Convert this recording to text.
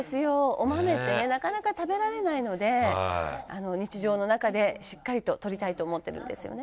「お豆ってねなかなか食べられないので日常の中でしっかりととりたいと思ってるんですよね」